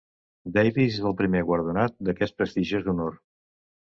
Davies és el primer guardonat d'aquest prestigiós honor.